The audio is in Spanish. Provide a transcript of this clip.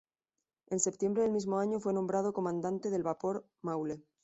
En septiembre del mismo año fue nombrado comandante del vapor "Maule".